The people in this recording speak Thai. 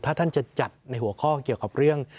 ถ้าท่านจะจัดในหัวข้อเกี่ยวกับเรื่อง